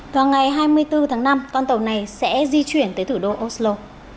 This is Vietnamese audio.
vào ngày hai mươi bốn tháng năm con tàu này sẽ di chuyển tới thủ đô oslo